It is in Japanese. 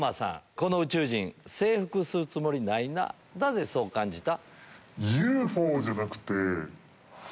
この宇宙人征服するつもりないななぜそう感じた？